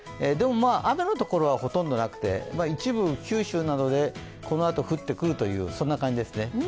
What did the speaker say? でも、雨のところはほとんどなくて一部九州などで、このあと降ってくるという感じですね。